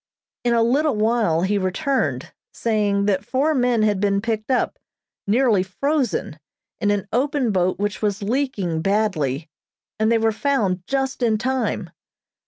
In a little while he returned, saying that four men had been picked up, nearly frozen, in an open boat which was leaking badly, and they were found just in time.